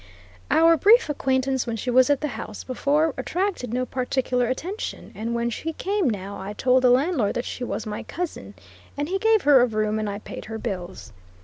Our brief acquaintance when she was at the house before, attracted no particular attention, and when she came now I told the landlord that she was my cousin, and he gave her a room and I paid her bills.